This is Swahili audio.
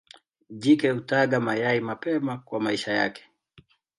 Jike hutaga mayai mapema kwa maisha yake.